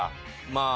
まあ。